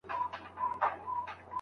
د شاګرد خپلواکي نه اخیستل کېږي.